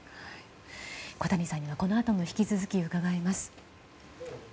小谷さんにはこのあとも引き続き伺います。